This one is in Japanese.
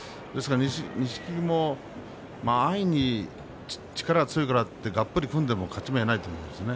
錦木も安易に力が強いからとがっぷり組んでも勝ち目はないと思います。